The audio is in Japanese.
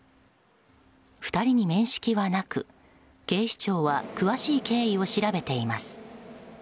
２人に面識はなく、警視庁は詳しい経緯を調べています。